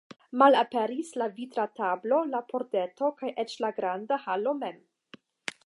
Malaperis la vitra tablo, la pordeto, kaj eĉ la granda halo mem.